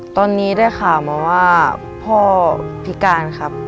ตอนนี้ได้ข่าวมาว่าพ่อพิการครับ